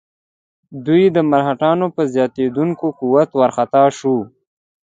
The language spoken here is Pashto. دوی د مرهټیانو پر زیاتېدونکي قوت وارخطا شوي.